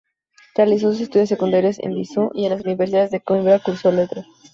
Realizó sus estudios secundarios en Viseu y en la Universidad de Coimbra cursó Letras.